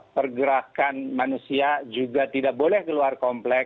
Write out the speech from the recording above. pergerakan manusia juga tidak boleh keluar komplek